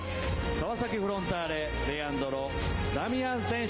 川崎フロンターレのレアンドロ・ダミアン選手。